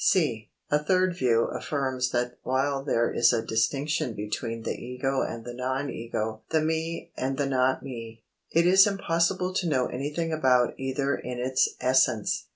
(c) A third view affirms that while there is a distinction between the Ego and the non Ego (the me and the not me), it is impossible to know anything about either in its essence.